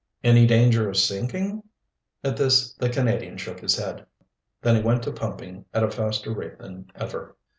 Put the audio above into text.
"Any danger of sinking?" At this the Canadian shook his head. Then he went to pumping at a faster rate than ever.